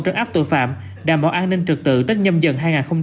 trấn áp tội phạm đảm bảo an ninh trật tự tết nhâm dần hai nghìn hai mươi hai